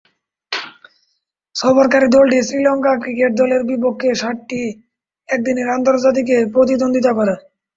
সফরকারী দলটি শ্রীলঙ্কা ক্রিকেট দলের বিপক্ষে সাতটি একদিনের আন্তর্জাতিকে প্রতিদ্বন্দ্বিতা করে।